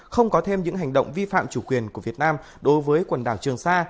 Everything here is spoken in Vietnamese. không có thêm những hành động vi phạm chủ quyền của việt nam đối với quần đảo trường sa